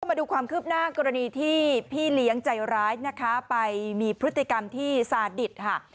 มาดูความคืบหน้ากรณีที่พี่เลี้ยงใจร้ายนะคะไปมีพฤติกรรมที่สาดิตค่ะ